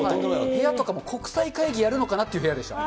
部屋とかが国際会議やるのかなっていう部屋でした。